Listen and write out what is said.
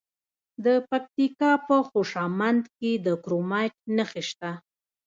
د پکتیکا په خوشامند کې د کرومایټ نښې شته.